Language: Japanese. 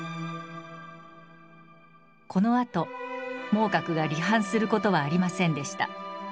この後孟獲が離反する事はありませんでした。